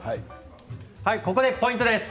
ここでポイントです。